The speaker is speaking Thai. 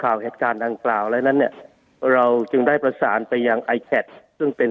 ข่าวเหตุการณ์ดังกล่าวแล้วนั้นเนี่ยเราจึงได้ประสานไปยังไอแชทซึ่งเป็น